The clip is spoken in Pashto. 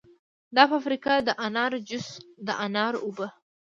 دا فابریکه د انارو جوس، د انارو اوبه